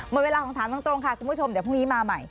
หมดเวลาของถามตรงค่ะคุณผู้ชมเดี๋ยวพรุ่งนี้มาใหม่